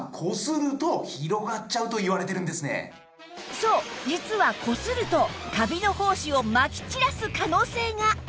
そう実はこするとカビの胞子をまき散らす可能性が